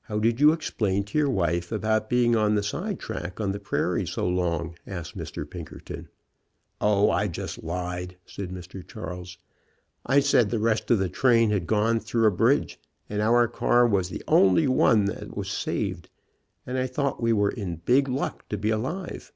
"How did you explain to your wife about being on the sidetrack on the prairie so long?" asked Mr. Pinkerton. 60 CLOCK WATCHER AND WHISTLE JUMPER "O, I just lied," said Mr. Charles. "I said the rest of the train had gone through a bridge, and our car was the only one that was saved, and I thought we were in big luck to be alive.